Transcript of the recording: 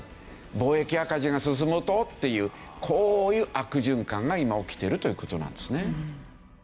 貿易赤字が進むとっていうこういう悪循環が今起きているという事なんですね。